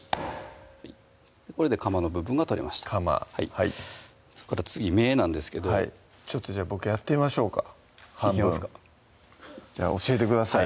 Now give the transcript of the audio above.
これでかまの部分が取れましたかまはい次目なんですけどちょっとじゃあ僕やってみましょうか半分教えてください